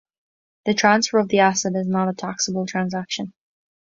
The transfer of the asset is not a taxable transaction.